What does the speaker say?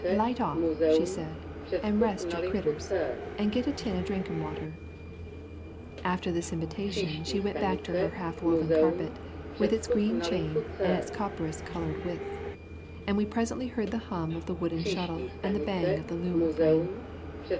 "Light off," she said, "an' rest your critters, an' git a tin of drinkin' water." After this invitation she went back to her half woven carpet with its green chain and its copperas coloured widths, and we presently heard the hum of the wooden shuttle and the bang of the loom frame.